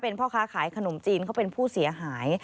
เป็นพ่อค้าขายขนมจีนเขาเป็นผู้เสียหาย